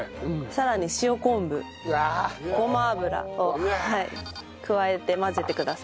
さらに塩昆布ごま油を加えて混ぜてください。